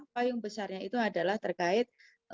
payung besarnya itu adalah terkait